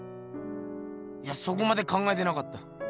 いやそこまで考えてなかった。